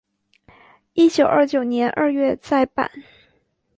一九二九年二月再版。